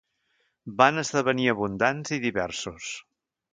Van esdevenir abundants i diversos.